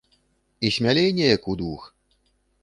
І смялей неяк удвух.